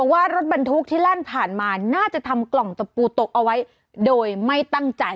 ว่ารถบรรทุกที่แล่นผ่านมาน่าจะทำกล่องตะปูตกเอาไว้โดยไม่ตั้งใจ